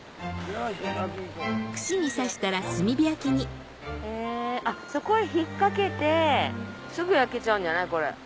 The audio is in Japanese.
串に刺したら炭火焼きにそこへ引っ掛けてすぐ焼けちゃうんじゃない？